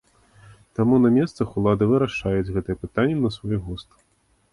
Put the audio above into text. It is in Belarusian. Таму на месцах улады вырашаюць гэтае пытанне на свой густ.